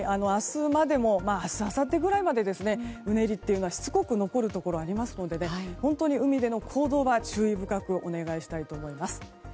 明日、あさってぐらいまでうねりは、しつこく残るところがありますので本当に海での行動は、注意深くお願いしたいと思います。